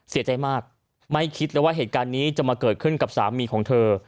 เสียใจมากไม่คิดเลยว่าเหตุการณ์นี้จะมาเกิดขึ้นกับสามีของเธอ